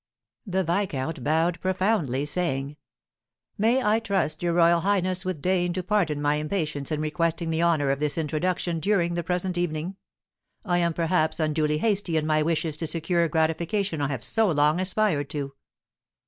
The viscount bowed profoundly, saying: "May I trust your royal highness will deign to pardon my impatience in requesting the honour of this introduction during the present evening? I am, perhaps, unduly hasty in my wishes to secure a gratification I have so long aspired to."